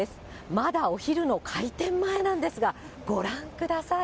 まだお昼の開店前なんですが、ご覧ください。